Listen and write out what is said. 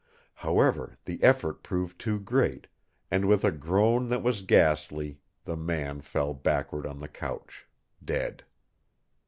However, the effort proved too great, and with a groan that was ghastly the man fell backward on the couch, dead.